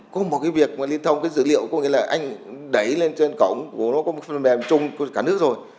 có một cái việc mà liên thông cái dữ liệu có nghĩa là anh đẩy lên trên cổng của nó có một phần mềm chung của cả nước rồi